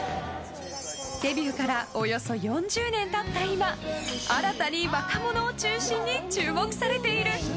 デビューからおよそ４０年経った今新たに若者を中心に注目されている。